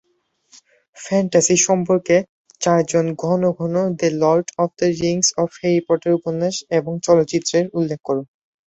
Fantasy সম্পর্কে, চারজন ঘন ঘন The Lord of the Rings এবং হ্যারি পটার উপন্যাস এবং চলচ্চিত্রের উল্লেখ করে।